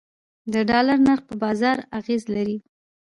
د ډالر نرخ په بازار اغیز لري